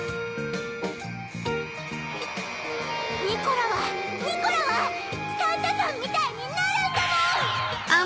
ニコラはニコラはサンタさんみたいになるんだもん！